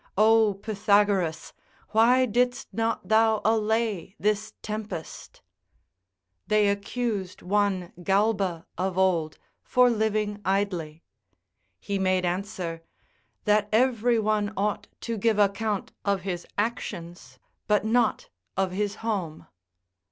O Pythagoras, why didst not thou allay this tempest? They accused one Galba of old for living idly; he made answer, "That every one ought to give account of his actions, but not of his home."